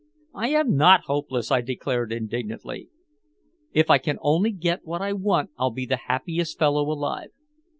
"I am not hopeless," I declared indignantly. "If I can only get what I want I'll be the happiest fellow alive!"